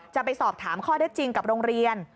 จะไปสอบถามข้อได้จริงกับโรงเรียน